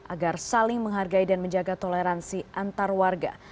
agar saling menghargai dan menjaga toleransi antar warga